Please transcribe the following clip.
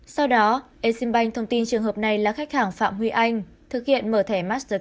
sau đó exim bank thông tin trường hợp này là khách hàng phạm huy anh thực hiện mở thẻ master